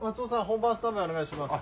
本番スタンバイお願いします。